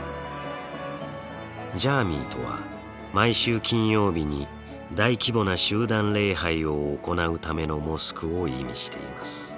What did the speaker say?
ジャーミイとは毎週金曜日に大規模な集団礼拝を行うためのモスクを意味しています。